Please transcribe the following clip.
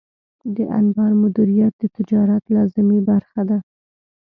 د انبار مدیریت د تجارت لازمي برخه ده.